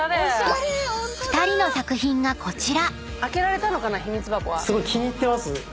［２人の作品がこちら］